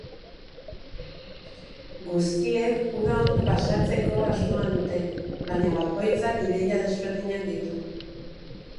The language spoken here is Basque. Guztiek uda ondo pasatzeko asmoa dute, baina bakoitzak ideia ezberdinak ditu.